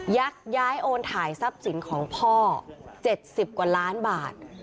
ักย้ายโอนถ่ายทรัพย์สินของพ่อ๗๐กว่าล้านบาท